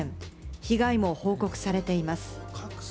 被害も報告されています。